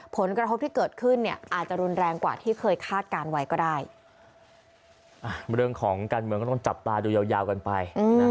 ผลกระทบที่เกิดขึ้นอาจจะรุนแรงกว่าที่เคยคาดการณ์ไว้ก็ได้